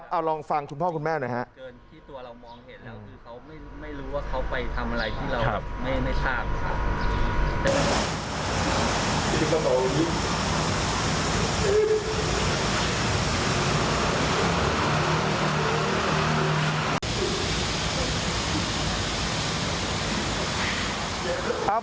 เอาลองฟังคุณพ่อคุณแม่หน่อยครับ